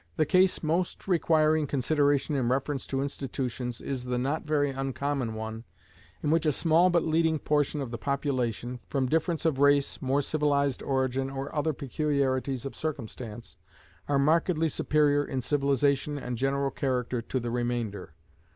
The case most requiring consideration in reference to institutions is the not very uncommon one in which a small but leading portion of the population, from difference of race, more civilized origin, or other peculiarities of circumstance, are markedly superior in civilization and general character to the remainder.